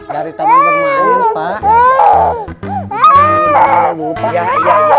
dari taman bermain pak